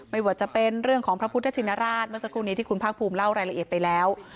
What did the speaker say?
ไม่ว่าจะเป็นเรื่องของพระพุทธชินราชเมื่อสักครู่นี้ที่คุณภาคภูมิเล่ารายละเอียดไปแล้ว